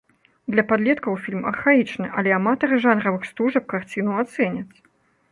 Для падлеткаў фільм архаічны, але аматары жанравых стужак карціну ацэняць.